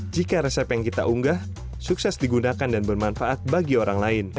jika resep yang kita unggah sukses digunakan dan bermanfaat bagi orang lain